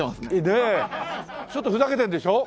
ねえちょっとふざけてるでしょ。